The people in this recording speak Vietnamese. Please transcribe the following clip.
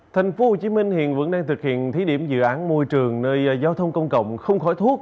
thành phố hồ chí minh hiện vẫn đang thực hiện thiết điểm dự án môi trường nơi giao thông công cộng không khói thuốc